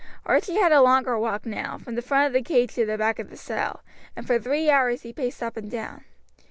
Archie had a longer walk now, from the front of the cage to the back of the cell, and for three hours he paced up and down.